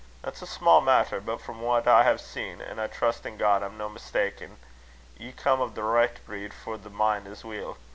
That's a sma' matter; but frae what I ha'e seen an' I trust in God I'm no' mista'en ye come o' the richt breed for the min' as weel.